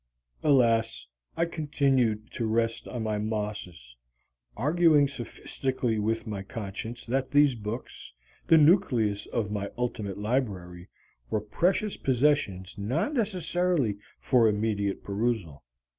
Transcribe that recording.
Alas, I continued to rest on my Mosses, arguing sophistically with my conscience that these books, the nucleus of my ultimate library, were precious possessions not necessarily for immediate perusal.